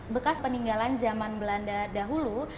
bekas peninggalan zaman belanda dahulu